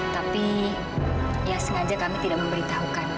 tapi ya sengaja kami tidak memberitahukan